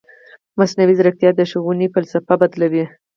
مصنوعي ځیرکتیا د ښوونې فلسفه بدلوي.